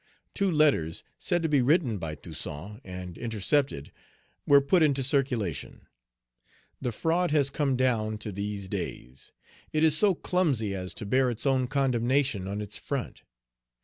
Two letters, said to be written by Toussaint, and intercepted, were put into circulation. The fraud has come down to these days; it is so clumsy as to bear its own condemnation on its front.